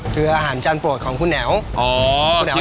คืออาหารจานโปรดของคุณแอ๋ว